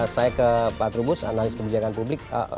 saya ke pak trubus analis kebijakan publik